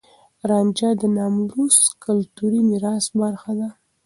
رانجه د ناملموس کلتوري ميراث برخه ده.